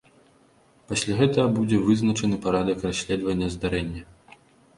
Пасля гэтага будзе вызначаны парадак расследавання здарэння.